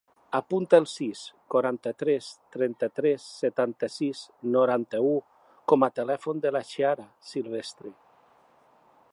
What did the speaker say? Apunta el sis, quaranta-tres, trenta-tres, setanta-sis, noranta-u com a telèfon de la Chiara Silvestre.